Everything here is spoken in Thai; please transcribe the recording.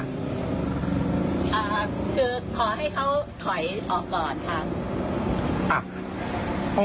คือขอให้เขาถอยออกก่อนค่ะ